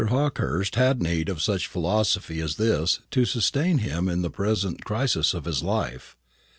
Hawkehurst had need of such philosophy as this to sustain him in the present crisis of his life.